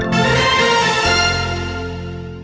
โปรดติดตามตอนต่อไป